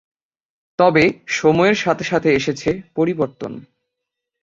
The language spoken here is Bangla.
তবে সময়ের সাথে সাথে এসেছে পরিবর্তন।